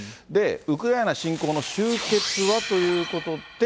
ウクライナ侵攻の終結はということで。